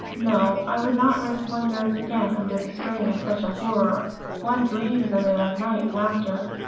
No. I would not risk my nerves again under the strain of such a horror. One dreams of it nights after.